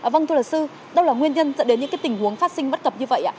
vâng thu lật sư đâu là nguyên nhân dẫn đến những cái tình huống phát sinh bất cập như vậy ạ